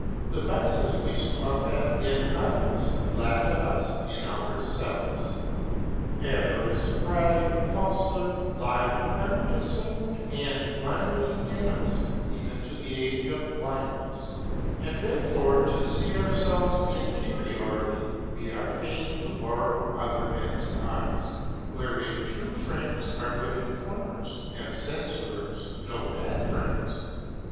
The vices we scoff at in others, laugh at us within ourselves. Avarice, pride, falsehood lie undiscerned and blindly in us, even to the age of blindness; and, therefore, to see ourselves interiorly, we are fain to borrow other men's eyes; wherein true friends are good informers, and censurers no bad friends.